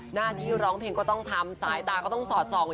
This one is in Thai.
หน้าที่ร้องเพลงก็ต้องทำสายตาก็ต้องสอดส่อง